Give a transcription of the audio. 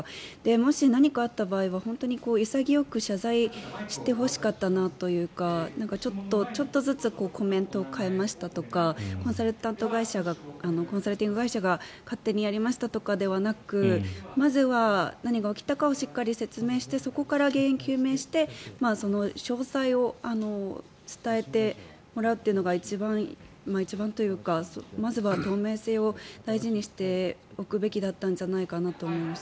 もし何かあった場合は、潔く謝罪してほしかったなというかちょっとずつコメントを変えましたとかコンサルティング会社が勝手にやりましたとかではなくまずは何が起きたかをしっかり説明してそこから原因を究明して詳細を伝えてもらうというのがまずは透明性を大事にしておくべきだったんじゃないかと思います。